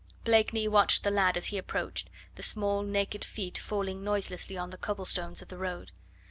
Blakeney watched the lad as he approached, the small, naked feet falling noiselessly on the cobblestones of the road.